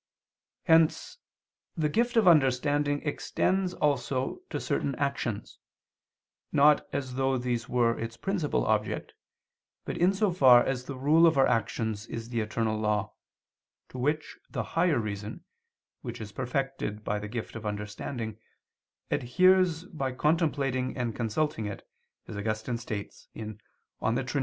Hence the gift of understanding extends also to certain actions, not as though these were its principal object, but in so far as the rule of our actions is the eternal law, to which the higher reason, which is perfected by the gift of understanding, adheres by contemplating and consulting it, as Augustine states (De Trin.